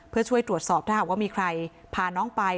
เพื่อช่วยตรวจสอบถ้าหากว่ามีใครพาน้องไป